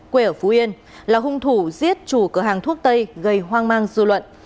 quê ở phú yên là hung thủ giết chủ cửa hàng thuốc tây gây hoang mang dư luận